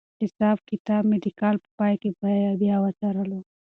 حساب کتاب مې د کال په پای کې بیا وڅارلو.